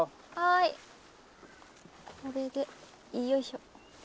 これでよいしょ。